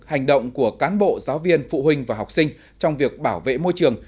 hành động của cán bộ giáo viên phụ huynh và học sinh trong việc bảo vệ môi trường